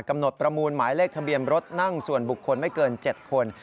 ประมูลหมายเลขทะเบียนรถนั่งส่วนบุคคลไม่เกิน๗คน